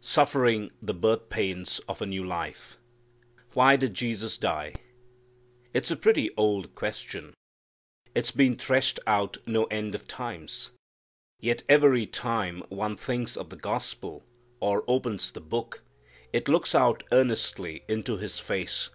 Suffering the Birth pains of a New Life. Why did Jesus die? It's a pretty old question. It's been threshed out no end of times. Yet every time one thinks of the gospel, or opens the Book, it looks out earnestly into his face.